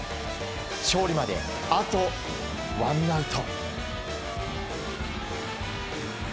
勝利まで、あとワンアウト。